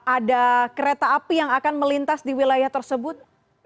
ada kereta api yang akan melintas di wilayah tersebut